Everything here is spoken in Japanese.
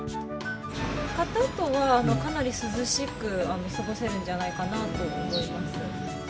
刈ったあとは、かなり涼しく過ごせるんじゃないかと思います。